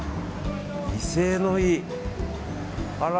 威勢のいい！